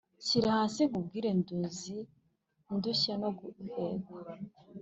Nshyira hasi nkubwire, nduzi ndushye no guhekwa."